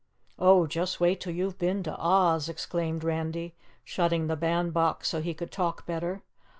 "Oh, just wait till you've been to OZ," exclaimed Randy, shutting the band box so he could talk better.